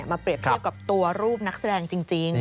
เปรียบเทียบกับตัวรูปนักแสดงจริง